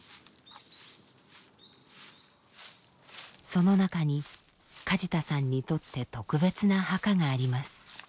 その中に梶田さんにとって特別な墓があります。